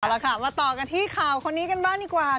เอาละค่ะมาต่อกันที่ข่าวคนนี้กันบ้างดีกว่า